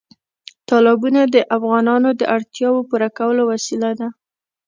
تالابونه د افغانانو د اړتیاوو پوره کولو وسیله ده.